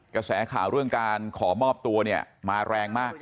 กระแสข่าวเรื่องการขอมอบตัวเนี่ยมาแรงมาก